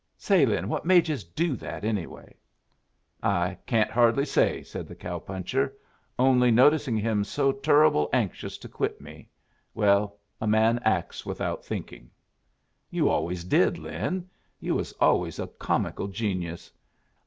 Say, Lin, what made yus do that, anyway?" "I can't hardly say," said the cow puncher. "Only noticing him so turruble anxious to quit me well, a man acts without thinking." "You always did, Lin. You was always a comical genius.